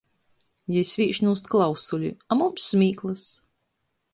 Jei svīž nūst klausuli, a mums smīklys!